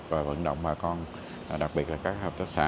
và vận động bà con đặc biệt là các hợp tác xã